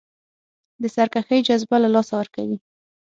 د سرکښۍ جذبه له لاسه ورکوي.